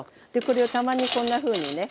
これをたまにこんなふうにね